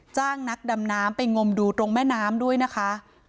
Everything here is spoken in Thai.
จ้างนักดำน้ำไปงมดูตรงแม่น้ำด้วยนะคะ